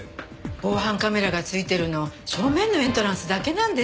防犯カメラが付いてるの正面のエントランスだけなんです。